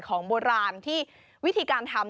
ของโบราณที่วิธีการทำ